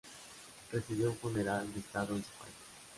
Recibió un funeral de Estado en su país.